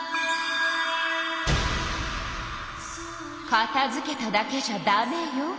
かたづけただけじゃダメよ。